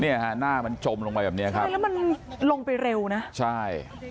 เนี่ยฮะหน้ามันจมลงไปแบบเนี้ยครับใช่แล้วมันลงไปเร็วนะใช่